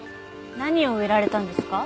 何を植えられたんですか？